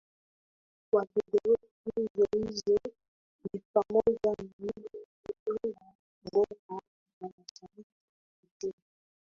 wa video Tuzo hizo ni pamoja na ile ya Video Bora Afrika Mashariki kupitia